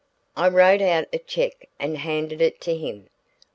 I wrote out a check and handed it to him.